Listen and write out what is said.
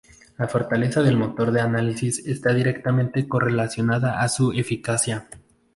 La fortaleza del motor de análisis está directamente correlacionado a su eficacia.